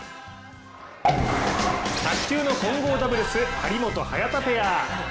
卓球の混合ダブルス、張本・早田ペア。